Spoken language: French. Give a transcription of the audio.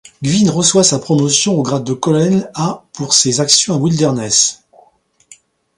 Gwyn reçoit sa promotion au grade de colonel à pour ses actions à Wilderness.